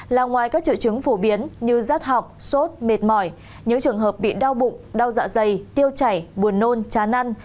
là ngoài các triệu chứng phổ biến như rát họng sốt mệt mỏi những trường hợp bị đau bụng đau dạ dày tiêu chảy buồn nôn chán ăn